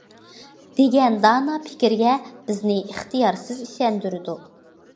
دېگەن دانا پىكىرگە بىزنى ئىختىيارسىز ئىشەندۈرىدۇ.